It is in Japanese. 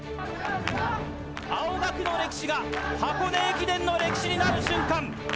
青学の歴史が箱根駅伝の歴史になる瞬間。